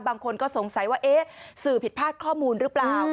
บางคนก็สงสัยว่าเอ๊ะสื่อผิดพลาดข้อมูลหรือเปล่า